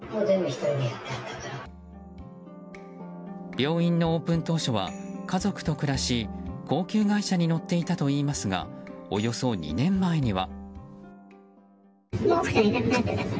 病院のオープン当初は家族と暮らし高級外車に乗っていたといいますがおよそ２年前には。